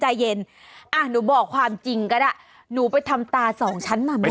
หนูบอกความจริงก็ได้หนูไปทำตาสองชั้นมาไหม